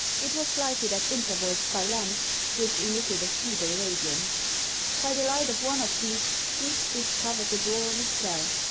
It was lighted at intervals by lamps, which emitted a feeble radiance. By the light of one of these, Reeks discovered the door of a cell.